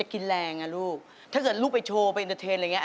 ดูผลงานของกู้แข่งไปแล้วนะ